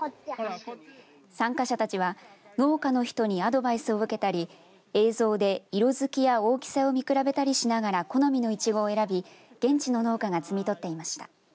参加者たちは農家の人にアドバイスを受けたり映像で色づきや大きさを見比べたりしながら好みのイチゴを選び現地の農家が摘み取っていました。